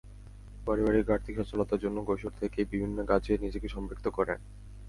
পরিবারের আর্থিক সচ্ছলতার জন্য কৈশোর থেকেই বিভিন্ন কাজে নিজেকে সম্পৃক্ত করেন।